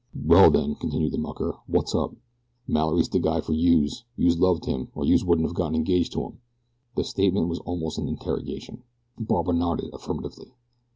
"Well, then," continued the mucker, "wot's up? Mallory's de guy fer youse. Youse loved him or youse wouldn't have got engaged to him." The statement was almost an interrogation. Barbara nodded affirmatively.